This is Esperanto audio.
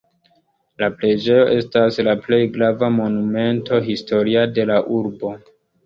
La preĝejo estas la plej grava Monumento historia de la urbo.